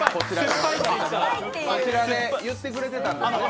あちらで言ってくれてたんですね。